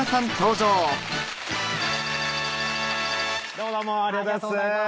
どうもどうもありがとうございます。